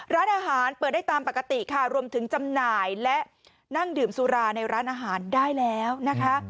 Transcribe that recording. ร้านอาหารเปิดได้ตามปกติค่ะรวมถึงจำหน่ายและนั่งดื่มสุราในร้านอาหารได้แล้วนะคะ